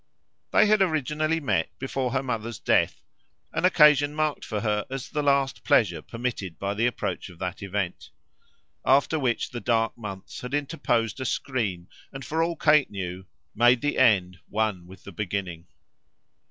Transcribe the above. They had originally met before her mother's death an occasion marked for her as the last pleasure permitted by the approach of that event; after which the dark months had interposed a screen and, for all Kate knew, made the end one with the beginning.